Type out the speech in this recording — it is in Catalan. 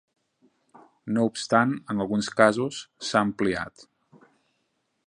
No obstant, en alguns casos, s"ha ampliat.